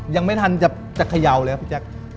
ยังไม่ทันจะเขย่าเลยครับพี่แจ๊ค